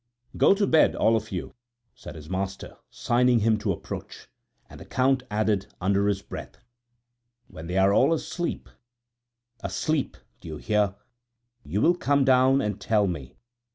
"Go to bed, all of you," said his master, signing to him to approach; and the Count added, under his breath: "When they are all asleep asleep, d'ye hear? you will come down and tell me."